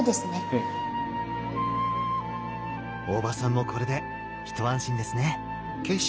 大場さんもこれでひと安心ですね。